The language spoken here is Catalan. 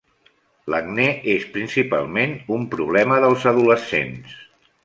L'acne és principalment un problema dels adolescents.